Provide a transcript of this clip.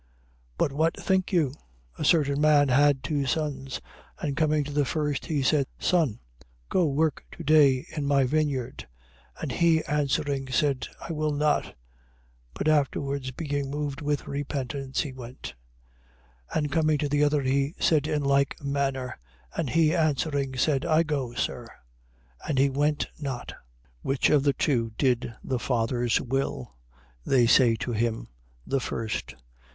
21:28. But what think you? A certain man had two sons: and coming to the first, he said: Son, go work to day in my vineyard. 21:29. And he answering, said: I will not. But afterwards, being moved with repentance, he went. 21:30. And coming to the other, he said in like manner. And he answering said: I go, Sir. And he went not. 21:31. Which of the two did the father's will? They say to him: The first.